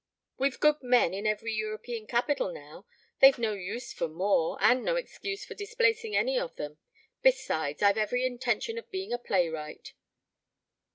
"We've good men in every European capital now. They've no use for more, and no excuse for displacing any of them. Besides, I've every intention of being a playwright."